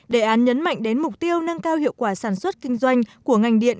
đề án nhấn mạnh đến mục tiêu nâng cao hiệu quả sản xuất kinh doanh của ngành điện